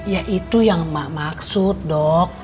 ya itu yang emak maksud dok